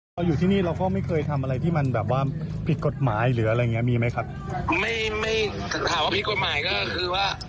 เราอยู่ที่นี่เราก็ไม่เคยทำอะไรที่มันแบบว่าผิดกฎหมายหรืออะไรอย่างเงี้มีไหมครับไม่ไม่ถามว่าผิดกฎหมายก็คือว่า